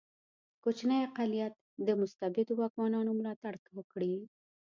کوچنی اقلیت د مستبدو واکمنانو ملاتړ وکړي.